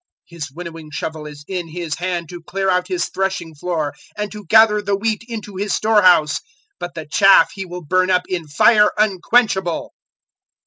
003:017 His winnowing shovel is in His hand to clear out His threshing floor, and to gather the wheat into His storehouse; but the chaff He will burn up in fire unquenchable."